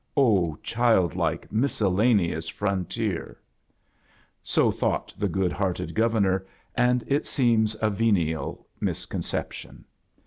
Ob, childlike, miscellaaeous Frontierl So thof^ht the good hearted Governor; and it seems a venial misconception.